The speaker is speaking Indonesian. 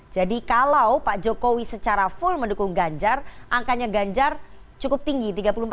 jadi kalau pak jokowi secara full mendukung ganjar angkanya ganjar cukup tinggi